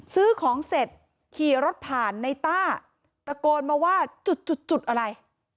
ซื้อของเสร็จขี่รถผ่านในต้าตะโกนมาว่าจุดจุดอะไร